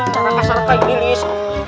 sarakah sarakah ini lis